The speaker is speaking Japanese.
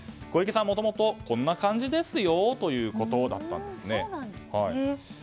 小池さんはもともとこんな感じですよということだったんです。